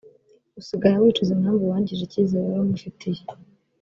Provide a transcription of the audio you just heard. usigara wicuza impamvu wangije icyizere wari umufitiye